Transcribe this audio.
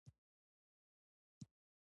د روح لپاره پاکوالی اړین دی